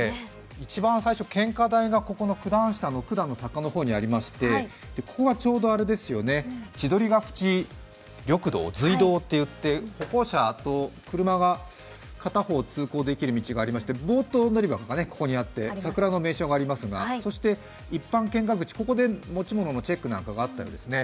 一番最初、献花台が九段下の九段の坂の方にありまして、ここがちょうど千鳥ヶ淵緑道、ずい道と言って、歩行者と車が片方通行できる場所がありましてボート乗り場もここにあって桜の名所がありますが、一般献花口、ここで持ち物のチェックなどがあったようですね。